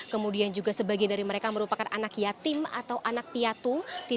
kemudian juga sebagian dari mereka merupakan anak yatim atau anak piatu